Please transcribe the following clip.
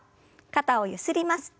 肩をゆすります。